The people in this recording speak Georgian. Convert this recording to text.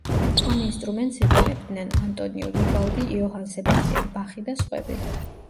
ამ ინსტრუმენტს იყენებდნენ: ანტონიო ვივალდი, იოჰან სებასტიან ბახი და სხვები.